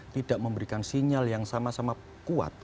tidak memberikan sinyal yang sama sama kuat